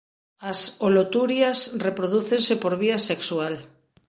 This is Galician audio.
As holoturias reprodúcense por vía sexual.